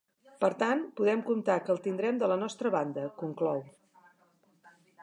Per tant, podem comptar que el tindrem de la nostra banda — conclou.